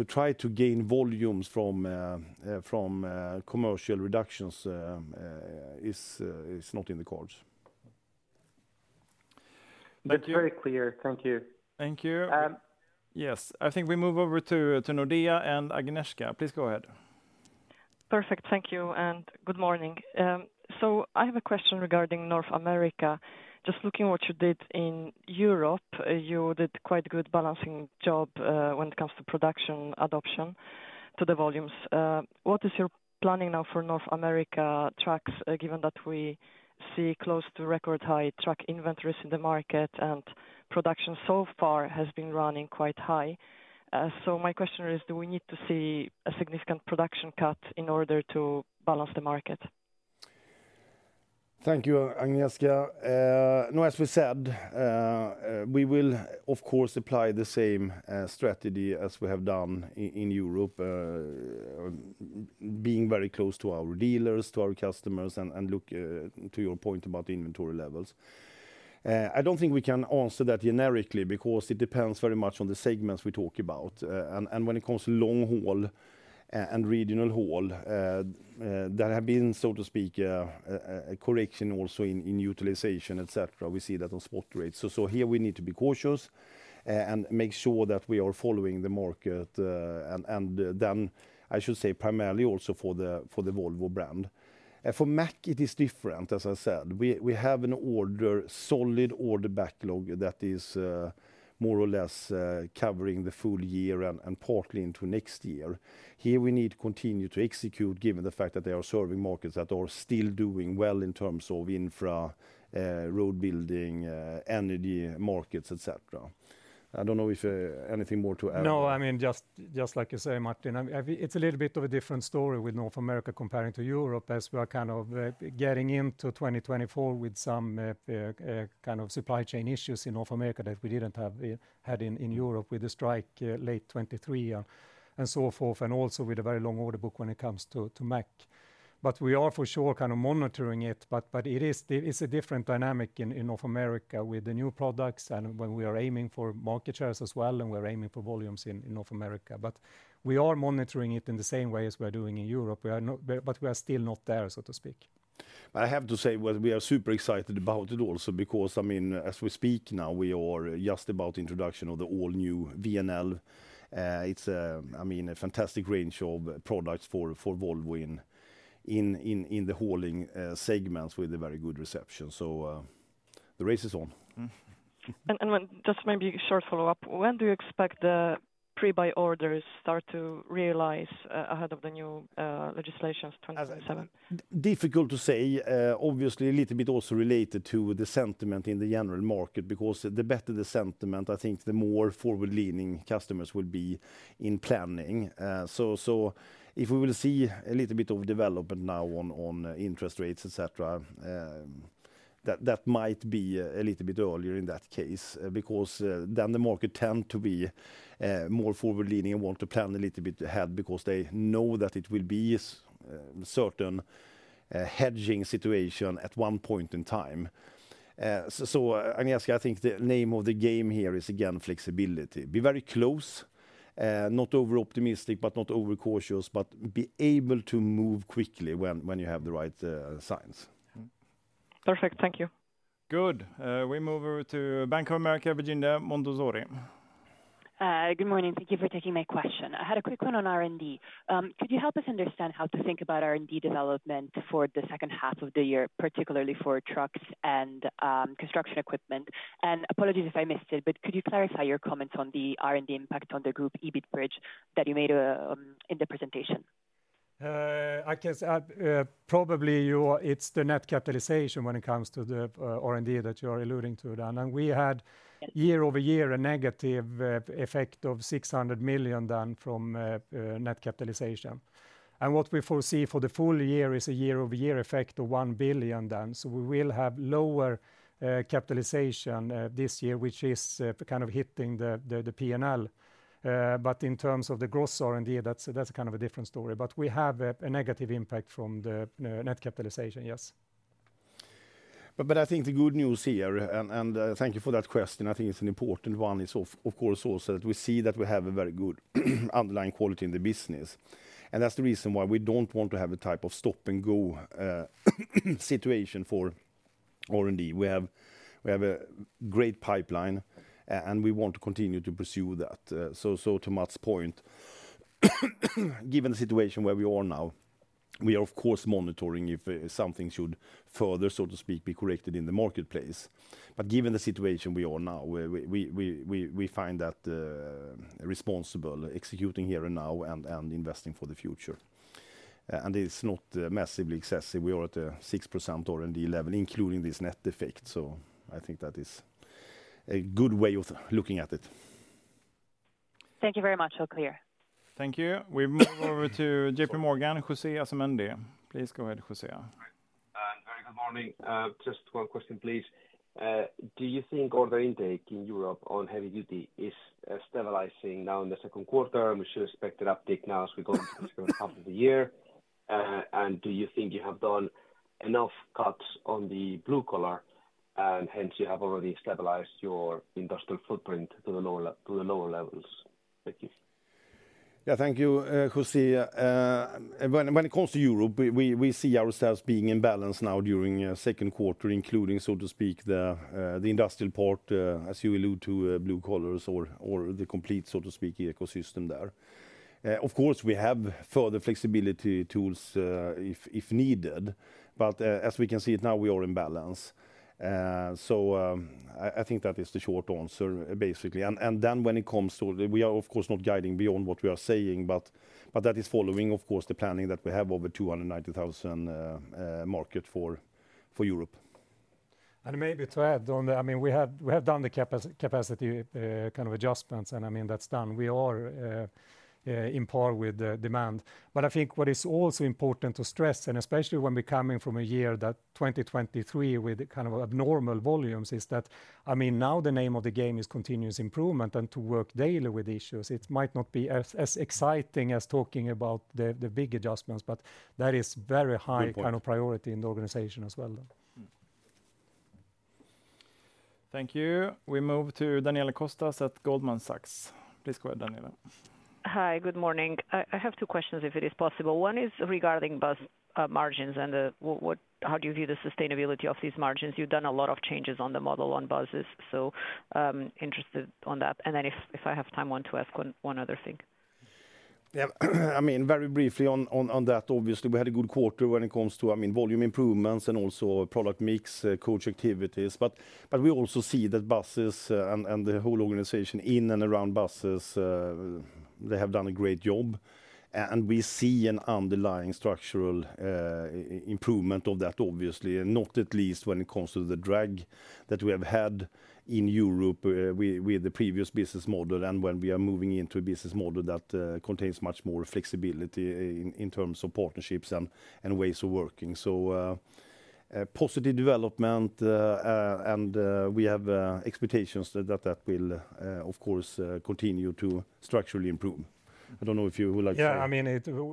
try to gain volumes from commercial reductions, is not in the cards. That's very clear. Thank you. Thank you. Um- Yes, I think we move over to, to Nordea and Agnieszka. Please go ahead. Perfect. Thank you, and good morning. So I have a question regarding North America. Just looking what you did in Europe, you did quite a good balancing job, when it comes to production adoption to the volumes. What is your planning now for North America trucks, given that we see close to record high truck inventories in the market, and production so far has been running quite high? So my question is, do we need to see a significant production cut in order to balance the market? Thank you, Agnieszka. No, as we said, we will, of course, apply the same strategy as we have done in Europe, being very close to our dealers, to our customers, and look to your point about the inventory levels. I don't think we can answer that generically, because it depends very much on the segments we talk about. And when it comes to long haul and regional haul, there have been, so to speak, a correction also in utilization, et cetera. We see that on spot rates. So here we need to be cautious and make sure that we are following the market, and then, I should say, primarily also for the Volvo brand. For Mack, it is different. As I said, we have a solid order backlog that is more or less covering the full year and partly into next year. Here, we need to continue to execute, given the fact that they are serving markets that are still doing well in terms of infra, road building, energy markets, et cetera. I don't know if anything more to add. No, I mean, just like you say, Martin, I think it's a little bit of a different story with North America comparing to Europe, as we are kind of getting into 2024 with some kind of supply chain issues in North America that we didn't have in Europe, with the strike late 2023 and so forth, and also with a very long order book when it comes to Mack. But we are, for sure, kind of monitoring it. But it is... There is a different dynamic in North America with the new products and when we are aiming for market shares as well, and we're aiming for volumes in North America. But we are monitoring it in the same way as we are doing in Europe. We are not, but we are still not there, so to speak. I have to say, well, we are super excited about it also, because, I mean, as we speak now, we are just about introduction of the all-new VNL. It's a, I mean, a fantastic range of products for Volvo in the hauling segments with a very good reception. So, the race is on. And when, just maybe a short follow-up, when do you expect the pre-buy orders start to realize ahead of the new legislation, 2027? Difficult to say. Obviously, a little bit also related to the sentiment in the general market, because the better the sentiment, I think the more forward-leaning customers will be in planning. So, so if we will see a little bit of development now on, on interest rates, et cetera, that, that might be a little bit earlier in that case. Because, then the market tend to be, more forward-leaning and want to plan a little bit ahead because they know that it will be, certain, hedging situation at one point in time. So, so, Agnes, I think the name of the game here is, again, flexibility. Be very close, not over-optimistic, but not over-cautious, but be able to move quickly when, when you have the right, signs. Mm-hmm. Perfect. Thank you. Good. We move over to Bank of America, Virginia Montorsi. Good morning. Thank you for taking my question. I had a quick one on R&D. Could you help us understand how to think about R&D development for the second half of the year, particularly for trucks and construction equipment? Apologies if I missed it, but could you clarify your comments on the R&D impact on the group EBIT bridge that you made in the presentation? I guess, probably it's the net capitalization when it comes to the R&D that you are alluding to then. We had, year-over-year, a negative effect of 600 million then from net capitalization. What we foresee for the full year is a year-over-year effect of 1 billion then. So we will have lower capitalization this year, which is kind of hitting the PNL. But in terms of the gross R&D, that's kind of a different story. But we have a negative impact from the net capitalization, yes. But I think the good news here, and thank you for that question, I think it's an important one, is of course also that we see that we have a very good underlying quality in the business. And that's the reason why we don't want to have a type of stop-and-go situation for R&D. We have a great pipeline, and we want to continue to pursue that. So to Mats' point, given the situation where we are now, we are of course monitoring if something should further, so to speak, be corrected in the marketplace. But given the situation we are now, we find that responsible, executing here and now, and investing for the future. And it's not massively excessive. We are at a 6% R&D level, including this net effect, so I think that is a good way of looking at it. Thank you very much. All clear. Thank you. We move over to J.P. Morgan, Jose Asumendi. Please go ahead, Jose. Very good morning. Just one question, please. Do you think order intake in Europe on heavy duty is stabilizing now in the second quarter, and we should expect an uptick now as we go through the second half of the year? And do you think you have done enough cuts on the blue collar, and hence, you have already stabilized your industrial footprint to the lower levels? Thank you. Yeah, thank you, Jose. When it comes to Europe, we see ourselves being in balance now during second quarter, including, so to speak, the industrial part, as you allude to, blue collars or the complete, so to speak, ecosystem there. Of course, we have further flexibility tools, if needed, but as we can see it now, we are in balance. So, I think that is the short answer, basically. And then when it comes to... We are of course not guiding beyond what we are saying, but that is following, of course, the planning that we have over 290,000 market for Europe. Maybe to add on that, I mean, we have done the capacity kind of adjustments, and I mean, that's done. We are on par with the demand. But I think what is also important to stress, and especially when we're coming from a year, that 2023, with the kind of abnormal volumes, is that, I mean, now the name of the game is continuous improvement and to work daily with issues. It might not be as exciting as talking about the big adjustments, but that is very high- Good point kind of priority in the organization as well, though. Thank you. We move to Daniela Costa at Goldman Sachs. Please go ahead, Daniela. Hi, good morning. I have two questions, if it is possible. One is regarding bus margins and how do you view the sustainability of these margins? You've done a lot of changes on the model on buses, so interested on that. And then if I have time, want to ask one other thing. Yeah. I mean, very briefly on that, obviously, we had a good quarter when it comes to, I mean, volume improvements and also product mix, coach activities. But we also see that buses and the whole organization in and around buses, they have done a great job. And we see an underlying structural improvement of that, obviously, and not least when it comes to the drag that we have had in Europe with the previous business model, and when we are moving into a business model that contains much more flexibility in terms of partnerships and ways of working. So, a positive development, and we have expectations that that will, of course, continue to structurally improve. I don't know if you would like to- Yeah, I mean,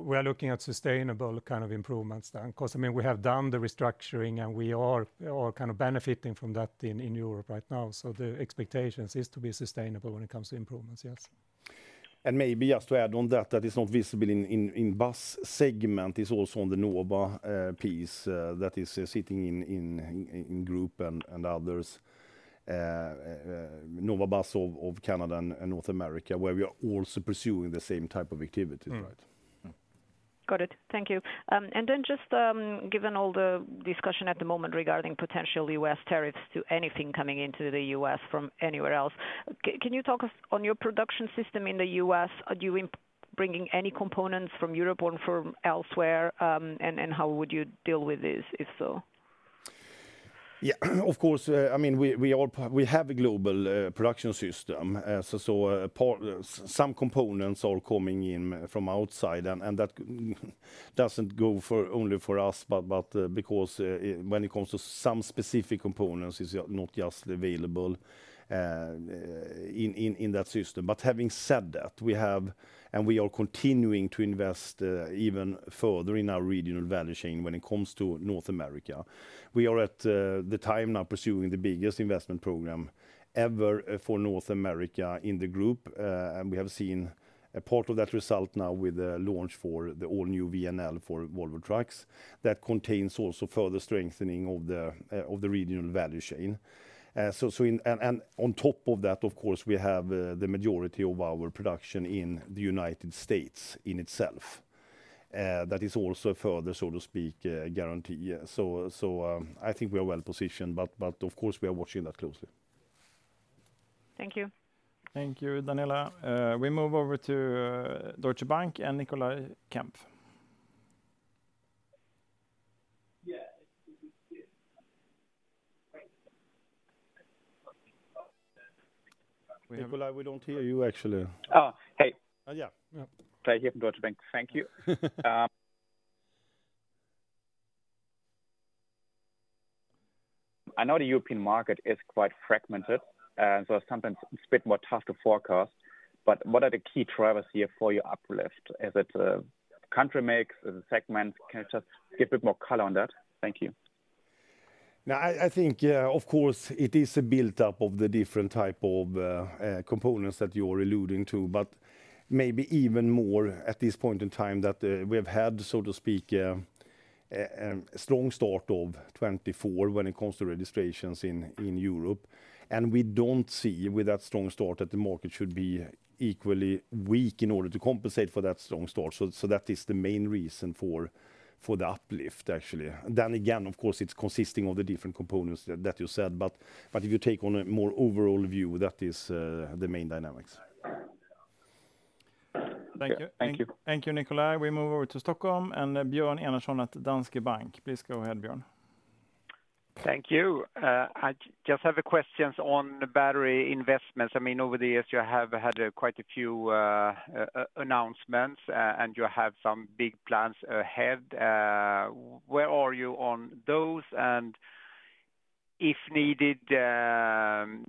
we are looking at sustainable kind of improvements then. 'Cause, I mean, we have done the restructuring, and we are kind of benefiting from that in Europe right now. So the expectations is to be sustainable when it comes to improvements, yes. And maybe just to add on that, that is not visible in bus segment, is also on the Nova Bus piece that is sitting in Group and others, Nova Bus of Canada and North America, where we are also pursuing the same type of activities, righGot it. Thank you. And then just, given all the discussion at the moment regarding potential US tariffs to anything coming into the US from anywhere else, can you talk us on your production system in the US? Are you bringing any components from Europe or from elsewhere? And how would you deal with this, if so? Yeah, of course, I mean, we all have a global production system. So, some components are coming in from outside, and that doesn't go for only us, but because, when it comes to some specific components, it's not just available in that system. But having said that, we have, and we are continuing to invest even further in our regional value chain when it comes to North America. We are at the time now pursuing the biggest investment program ever for North America in the group. And we have seen a part of that result now with the launch for the all-new VNL for Volvo Trucks. That contains also further strengthening of the regional value chain. So in and on top of that, of course, we have the majority of our production in the United States in itself. That is also further, so to speak, guarantee. Yeah, so, I think we are well-positioned, but of course, we are watching that closely. Thank you. Thank you, Daniela. We move over to Deutsche Bank and Nicolai Kempf. Yeah, Nikolai, we don't hear you, actually. Oh, hey. Yeah. Yeah. Claes here from Deutsche Bank. Thank you. I know the European market is quite fragmented, so sometimes it's a bit more tough to forecast, but what are the key drivers here for your uplift? Is it, country makes, is it segment? Can you just give a bit more color on that? Thank you. Now, I think, yeah, of course, it is a built-up of the different type of components that you are alluding to, but maybe even more at this point in time, that we have had, so to speak, a strong start of 2024 when it comes to registrations in Europe. And we don't see, with that strong start, that the market should be equally weak in order to compensate for that strong start. So that is the main reason for the uplift, actually. Then again, of course, it's consisting of the different components that you said, but if you take on a more overall view, that is the main dynamics. Thank you. Thank you. Thank you, Nicolai. We move over to Stockholm and Björn Enarson at Danske Bank. Please go ahead, Björn. Thank you. I just have a question on the battery investments. I mean, over the years, you have had quite a few announcements, and you have some big plans ahead. Where are you on those? And if needed, can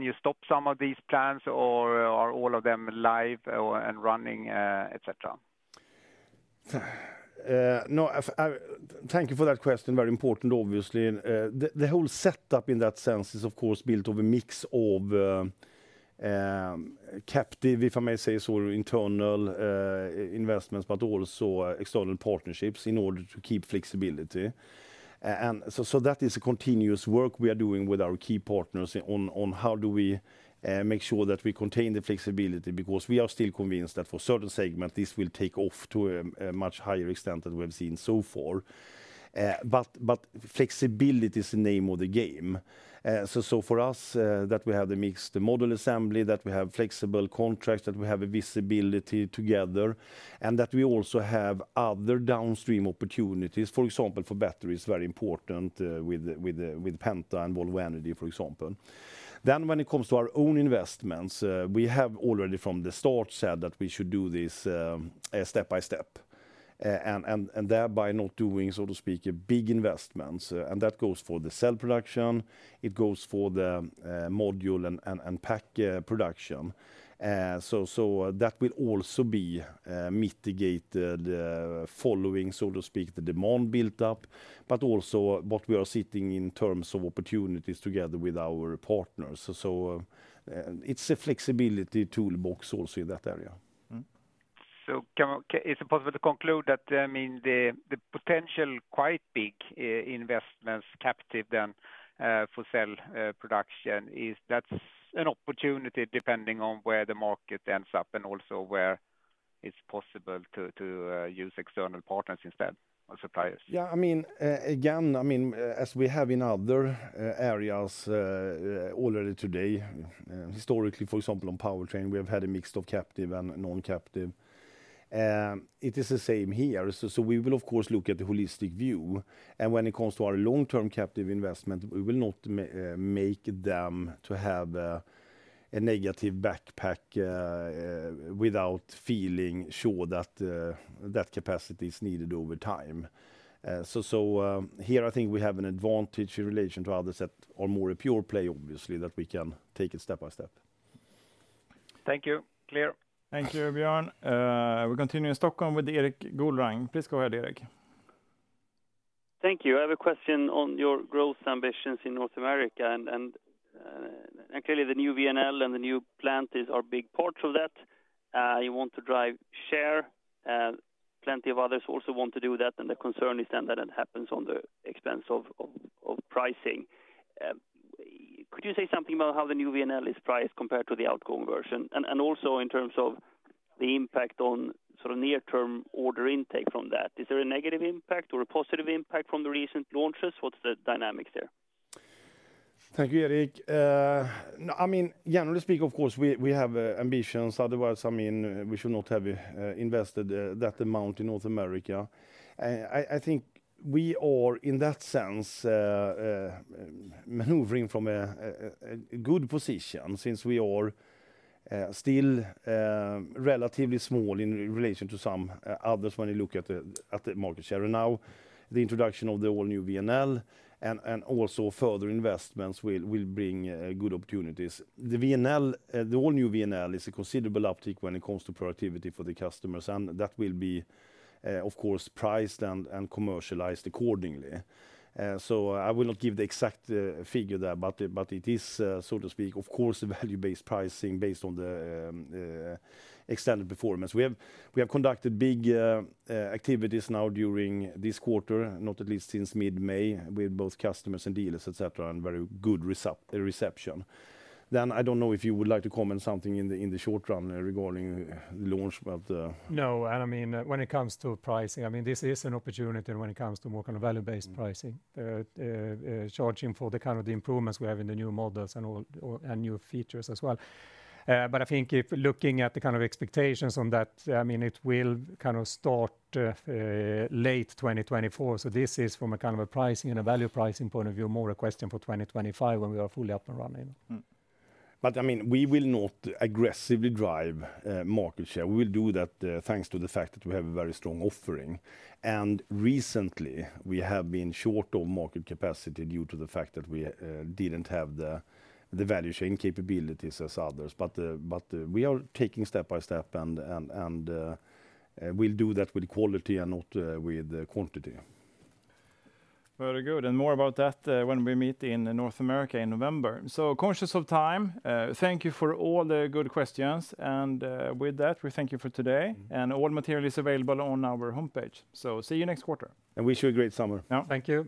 you stop some of these plans, or are all of them live or running, et cetera? No, thank you for that question. Very important, obviously. The whole setup in that sense is, of course, built of a mix of captive, if I may say so, internal investments, but also external partnerships in order to keep flexibility. And so that is a continuous work we are doing with our key partners on how do we make sure that we contain the flexibility, because we are still convinced that for certain segments, this will take off to a much higher extent than we have seen so far. But flexibility is the name of the game. So for us, that we have the mixed model assembly, that we have flexible contracts, that we have a visibility together, and that we also have other downstream opportunities, for example, for batteries, very important, with Penta and Volvo Energy, for example. Then, when it comes to our own investments, we have already from the start said that we should do this step by step and thereby not doing, so to speak, big investments. And that goes for the cell production, it goes for the module and pack production. So that will also be mitigated following, so to speak, the demand built up, but also what we are seeing in terms of opportunities together with our partners. So it's a flexibility toolbox also in that area. Mm-hmm. Is it possible to conclude that, I mean, the potential quite big investments, captive then for cell production, is that's an opportunity depending on where the market ends up and also where it's possible to use external partners instead, or suppliers? Yeah, I mean, again, I mean, as we have in other areas, already today, historically, for example, on powertrain, we have had a mix of captive and non-captive. It is the same here. So we will of course look at the holistic view, and when it comes to our long-term captive investment, we will not make them to have a negative backpack without feeling sure that that capacity is needed over time. So here, I think we have an advantage in relation to others that are more a pure play, obviously, that we can take it step by step. Thank you. Clear. Thank you, Björn. We continue in Stockholm with Erik Golrang. Please go ahead, Erik. Thank you. I have a question on your growth ambitions in North America, and clearly, the new VNL and the new plant is, are big parts of that. You want to drive share, plenty of others also want to do that, and the concern is then that it happens on the expense of pricing. Could you say something about how the new VNL is priced compared to the outgoing version? And also in terms of the impact on sort of near-term order intake from that. Is there a negative impact or a positive impact from the recent launches? What's the dynamics there? Thank you, Erik. No, I mean, generally speaking, of course, we have ambitions. Otherwise, I mean, we should not have invested that amount in North America. I think we are, in that sense, maneuvering from a good position since we are still relatively small in relation to some others when you look at the market share. And now, the introduction of the all-new VNL and also further investments will bring good opportunities. The VNL, the all-new VNL is a considerable uptick when it comes to productivity for the customers, and that will be, of course, priced and commercialized accordingly. So I will not give the exact figure there, but it is, so to speak, of course, a value-based pricing based on the extended performance. We have conducted big activities now during this quarter, not at least since mid-May, with both customers and dealers, et cetera, and very good reception. Then, I don't know if you would like to comment something in the short run regarding launch, but. No, and I mean, when it comes to pricing, I mean, this is an opportunity when it comes to more kind of value-based pricing. Charging for the kind of the improvements we have in the new models and all, and new features as well. But I think if looking at the kind of expectations on that, I mean, it will kind of start late 2024. So this is from a kind of a pricing and a value pricing point of view, more a question for 2025 when we are fully up and running. Mm-hmm. But, I mean, we will not aggressively drive market share. We will do that thanks to the fact that we have a very strong offering. And recently, we have been short on market capacity due to the fact that we didn't have the value chain capabilities as others. But we are taking step by step, and we'll do that with quality and not with quantity. Very good, and more about that, when we meet in North America in November. So conscious of time, thank you for all the good questions, and, with that, we thank you for today. Mm-hmm. All material is available on our homepage. See you next quarter. Wish you a great summer. Yeah. Thank you.